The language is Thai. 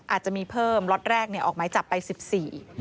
อาจจะมีเพิ่มล๊อตแรกออกจับไปสิบสี่